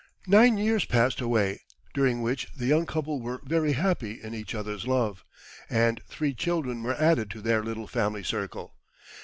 Nine years passed away, during which the young couple were very happy in each other's love, and three children were added to their little family circle.